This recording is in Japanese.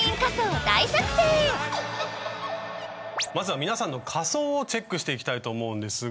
まずは皆さんの仮装をチェックしていきたいと思うんですが。